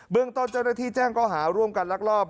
เบื้องต้นเจ้าระทิแจ้งก้อหาร่วมกันรักรอบ